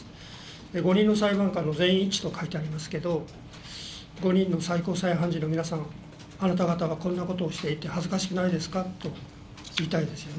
５人の裁判官の全員一致と書いてありますけど「５人の最高裁判事の皆さんあなた方はこんなことをしていて恥ずかしくないですか？」と言いたいですよね。